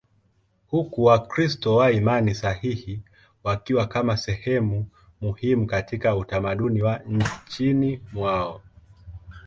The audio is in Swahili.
huku Wakristo wa imani sahihi wakiwa kama sehemu muhimu katika utamaduni wa nchini mwao.